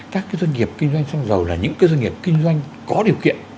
các cái doanh nghiệp kinh doanh xăng dầu là những cái doanh nghiệp kinh doanh có điều kiện